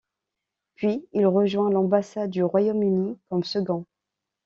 Puis il rejoint l'ambassade du Royaume-Uni comme second.